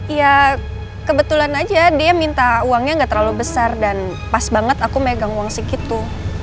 ya kebetulan aja dia minta uangnya nggak terlalu besar dan pas banget aku megang uang segitu